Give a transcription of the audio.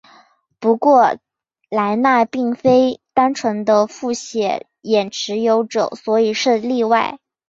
不过莱纳并非单纯的复写眼持有者所以是例外。